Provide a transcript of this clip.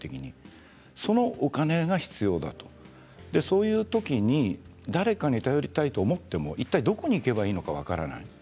そのお金が必要だとその時に誰かに頼りたいと思ってもどこに行けばいいのか分からない。